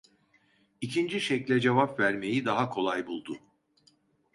İkinci şekle cevap vermeyi daha kolay buldu.